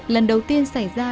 lần đầu tiên xảy ra